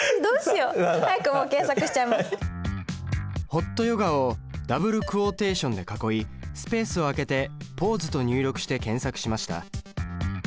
「ホットヨガ」をダブルクォーテーションで囲いスペースを開けて「ポーズ」と入力して検索しました。